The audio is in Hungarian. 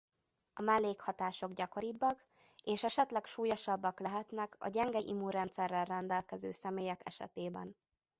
A mellékhatások gyakoribbak és esetleg súlyosabbak lehetnek a gyenge immunrendszerrel rendelkező személyek esetében.